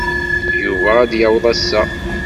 Yuba ad d-yaweḍ ass-a.